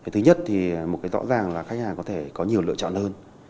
thứ nhất thì một cái rõ ràng là khách hàng có thể có nhiều lựa chọn hơn